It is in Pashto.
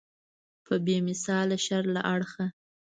په بې مثاله شر له اړخه.